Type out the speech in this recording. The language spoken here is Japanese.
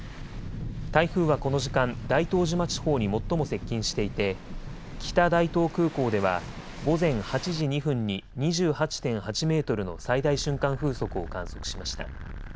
台風はこの時間、大東島地方に最も接近していて北大東空港では午前８時２分に２８．８メートルの最大瞬間風速を観測しました。